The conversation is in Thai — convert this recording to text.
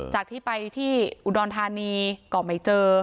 จากที่ไปที่อุดรธานีก็ไม่เจอ